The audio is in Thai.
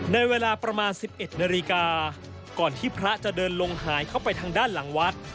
ในเวลาประมาณ๑๑นาฬิกาก่อนที่พระจะเดินลงหายเข้าไปทางด้านหลังวัด